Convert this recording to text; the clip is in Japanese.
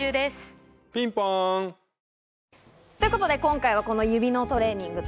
ピンポン！ということで、今回は指のトレーニングと。